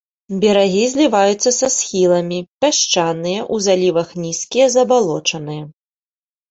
Берагі зліваюцца са схіламі, пясчаныя, у залівах нізкія, забалочаныя.